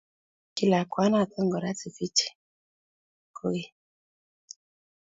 Kirikchi lakwanoto Kora Sifichi kokeny